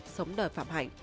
sống đời phạm hạnh